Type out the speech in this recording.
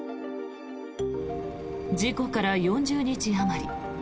事故から４０日あまり。